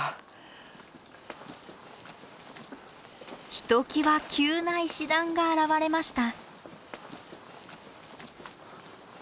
ひときわ急な石段が現れました。